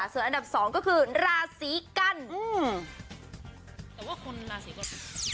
ส่วนอันดับสองก็คือราศีกันแต่ว่าคนราศีกรกฎ